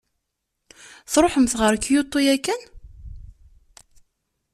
Tṛuḥemt ɣer Kyoto yakan?